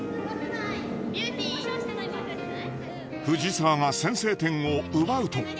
藤澤が先制点を奪うと。